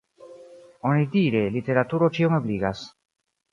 Onidire, literaturo ĉion ebligas.